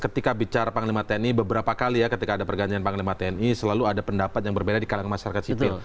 ketika bicara panglima tni beberapa kali ya ketika ada pergantian panglima tni selalu ada pendapat yang berbeda di kalangan masyarakat sipil